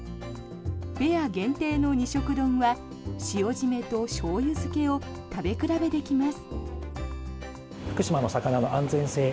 フェア限定の二色丼は塩締めとしょうゆ漬けを食べ比べできます。